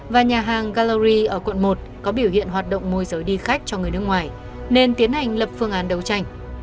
và nhà hàng gallery ở quận một có biểu hiện hoạt động môi giới đi khách cho người nước ngoài nên tiến hành lập phương án đấu tranh